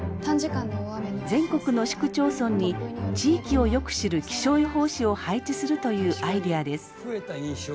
全国の市区町村に地域をよく知る気象予報士を配置するというアイデアです。